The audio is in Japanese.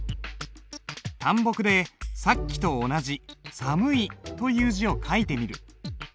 淡墨でさっきと同じ「寒い」という字を書いてみる。